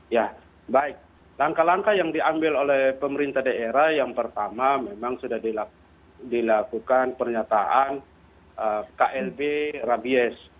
ya baik langkah langkah yang diambil oleh pemerintah daerah yang pertama memang sudah dilakukan pernyataan klb rabies